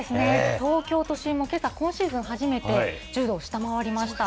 東京都心もけさ、今シーズン初めて１０度を下回りました。